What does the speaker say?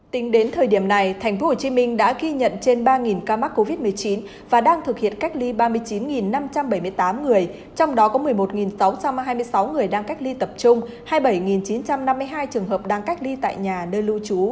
tính đến thời điểm này tp hcm đã ghi nhận trên ba ca mắc covid một mươi chín và đang thực hiện cách ly ba mươi chín năm trăm bảy mươi tám người trong đó có một mươi một sáu trăm hai mươi sáu người đang cách ly tập trung hai mươi bảy chín trăm năm mươi hai trường hợp đang cách ly tại nhà nơi lưu trú